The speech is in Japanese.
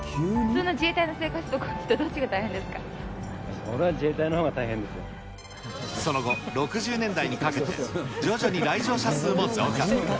ふの自衛隊の生活とそりゃ自衛隊のほうが大変でその後、６０年代にかけて、徐々に来場者数も増加。